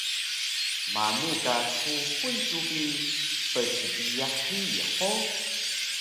Manu ka kuxul su bi psbiyax hiyi hug?